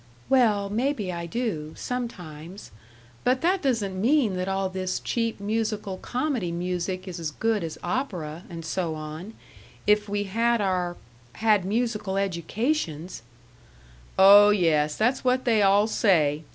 "Well, maybe I do, sometimes; but that doesn't mean that all this cheap musical comedy music is as good as opera, and so on, if we had our had musical educations " "Oh yes; that's what they all say!